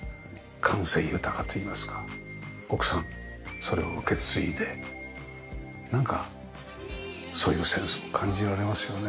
感性豊かといいますか奥さんそれを受け継いでなんかそういうセンスも感じられますよね。